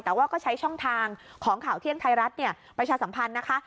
แต่ว่าก็ใช้ช่องทางของข่าวเที่ยงไทยรัฐประชาสัมพันธ์นะคะ